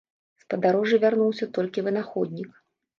З падарожжа вярнуўся толькі вынаходнік.